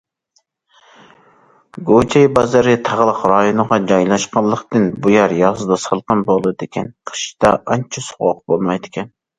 كۆجەي بازىرى تاغلىق رايونغا جايلاشقانلىقتىن، بۇ يەر يازدا سالقىن بولىدىكەن، قىشتا ئانچە سوغۇق بولمايدىكەن.